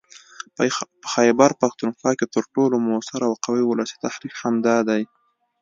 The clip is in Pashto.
په خيبرپښتونخوا کې تر ټولو موثر او قوي ولسي تحريک همدا دی